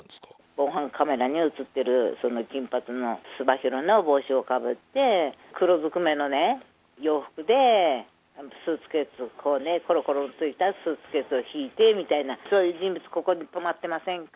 防番カメラに写ってるその金髪の、つば広の帽子をかぶって、黒ずくめのね、洋服でね、スーツケースを、こうね、ころころついたスーツケースを引いてみたいな、そういう人物、ここに泊まってませんか？